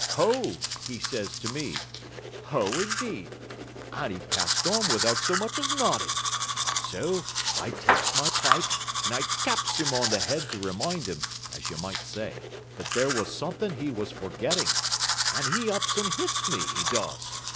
'Ho!' he says to me 'ho, indeed!' and he passed on without so much as nodding. So I takes my pike, and I taps him on the head to remind him, as you may say, that there was something he was forgetting, and he ups and hits me, he does.